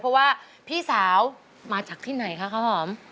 เพราะว่าพี่สาวมาจากที่ไหนคะข้าวหอม